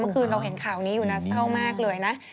เมื่อคืนเราเห็นข่าวนี้อยู่นะเศร้ามากเลยนะ